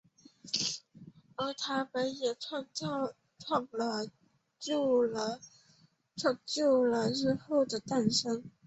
而他们的也造就了日后的诞生。